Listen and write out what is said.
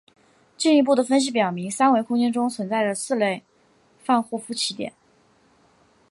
进一步的分析表明三维空间中存在着四类范霍夫奇点。